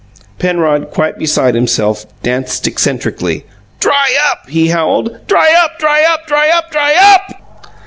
Penrod, quite beside himself, danced eccentrically. "Dry up!" he howled. "Dry up, dry up, dry up, dry UP!"